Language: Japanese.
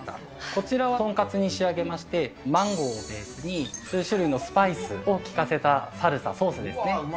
こちらを豚カツに仕上げまして、マンゴーに数種類のスパイスを利かせたサルサソースですね。